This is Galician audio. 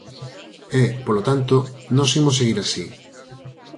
E, polo tanto, nós imos seguir así.